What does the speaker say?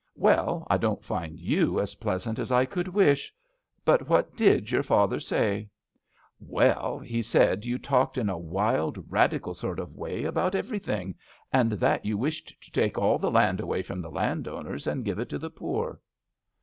"Well, I don't find you as pleasant as I could wish. But what did your father say ?"" Well, he said you talked in a wild, radical sort of way about everything, and that you wished to take all the land away from the landowners and give it to the poor."